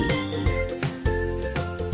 pasar tasik cideng